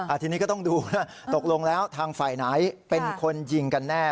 ทีนี้ก็ต้องดูว่าตกลงแล้วทางฝ่ายไหนเป็นคนยิงกันแน่